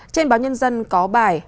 trên báo nhân dân có bài